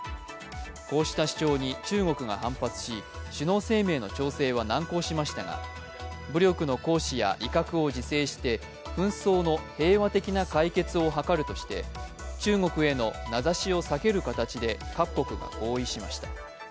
こうした主張に中国が反発し、首脳声明の調整は難航しましたが、武力の行使や威嚇を自制して紛争の平和的な解決を図るとして中国への名指しを避ける形で各国が合意しました。